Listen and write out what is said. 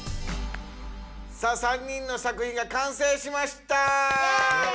さあ３人の作品がかんせいしました。